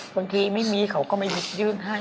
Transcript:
บางทีไม่มีเขาก็ไม่ยื่นให้